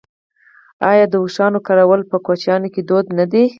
آیا د اوښانو کارول په کوچیانو کې دود نه دی؟